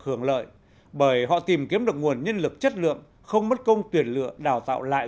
hưởng lợi bởi họ tìm kiếm được nguồn nhân lực chất lượng không mất công tuyển lựa đào tạo lại